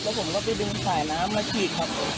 ผมก็ไปดึงสายน้ำมาฉีดครับ